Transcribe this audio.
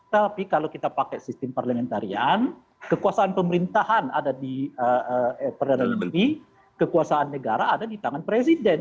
tapi kalau kita pakai sistem parlementarian kekuasaan pemerintahan ada di perdana menteri kekuasaan negara ada di tangan presiden